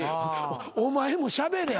お前もしゃべれや。